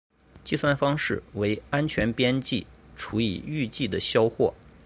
计算方式为安全边际除以预计的销货。